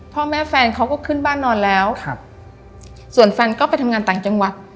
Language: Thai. พ่อแม่แฟนเขาก็ขึ้นบ้านนอนแล้วครับส่วนแฟนก็ไปทำงานต่างจังหวัด